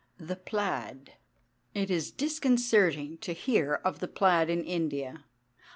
THE PLAID It is disconcerting to hear of the plaid in India.